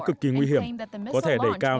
cực kỳ nguy hiểm có thể đẩy cao